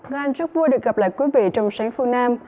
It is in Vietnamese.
ngàn chúc vui được gặp lại quý vị trong sáng phương nam